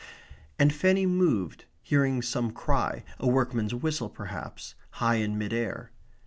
And Fanny moved, hearing some cry a workman's whistle perhaps high in mid air.